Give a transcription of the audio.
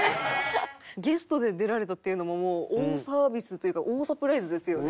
ゲストで出られたっていうのももう大サービスっていうか大サプライズですよね